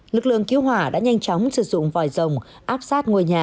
lực lượng cứu hỏa đã nhanh chóng sử dụng vòi rồng áp sát ngôi nhà